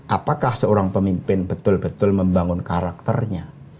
apakah seorang pemimpin betul betul membangun karakternya